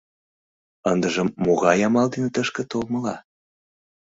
Ындыжым могай амал дене тышке толмыла?